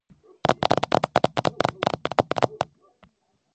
შედის ეკონომიკურ-სტატისტიკურ მიკრორეგიონ ვალი-დუ-პარაიბა-ფლუმინენსის შემადგენლობაში.